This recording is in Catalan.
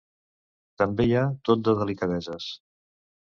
També hi ha tot de delicadeses.